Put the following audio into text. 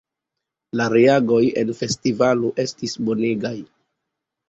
La reagoj en festivalo estis bonegaj!